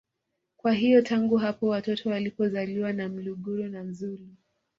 Kwa hiyo tangu hapo watoto walipozaliwa na mluguru na mzulu